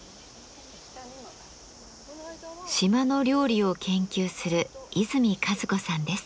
島の料理を研究する泉和子さんです。